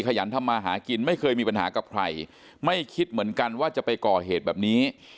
ขยันทำมาหากินไม่เคยมีปัญหากับใครไม่คิดเหมือนกันว่าจะไปก่อเหตุแบบนี้